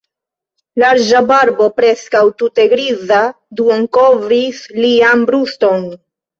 Larĝa barbo, preskaŭ tute griza, duonkovris lian bruston.